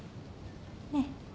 ねえ？